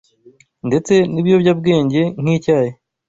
ndetse n’ibiyobyabwenge nk’icyayi